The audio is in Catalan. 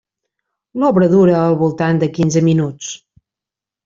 L'obra dura al voltant de quinze minuts.